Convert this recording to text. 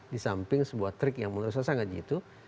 di samping sebuah trik yang menurut saya sangat jitu